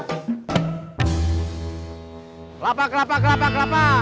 kelapa kelapa kelapa kelapa